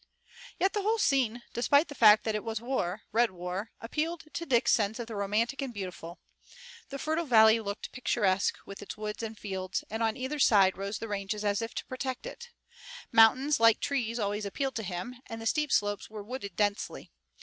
Yet the whole scene despite the fact that it was war, red war, appealed to Dick's sense of the romantic and beautiful. The fertile valley looked picturesque with its woods and fields, and on either side rose the ranges as if to protect it. Mountains like trees always appealed to him, and the steep slopes were wooded densely.